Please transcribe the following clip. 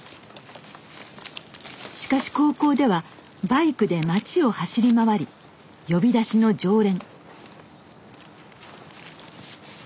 しかし高校ではバイクで町を走り回り呼び出しの常連。